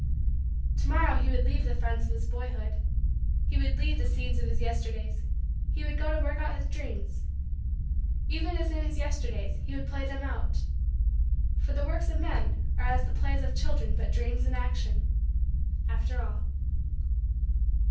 To morrow he would leave the friends of his boyhood; he would leave the scenes of his Yesterdays; he would go to work out his dreams even as in his Yesterdays, he would play them out for the works of men are as the plays of children but dreams in action, after all.